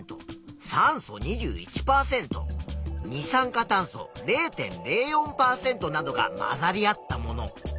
酸素２１％二酸化炭素０．０４％などが混ざり合ったもの。